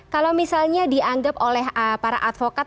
kalau misalnya dianggap oleh para advokat